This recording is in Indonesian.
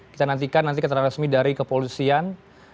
kita nantikan nanti keterangan resmi dari kepolisian